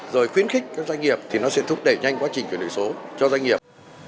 rồi khuyến khích các doanh nghiệp thì nó sẽ thúc đẩy nhanh quá trình chuyển đổi số cho doanh nghiệp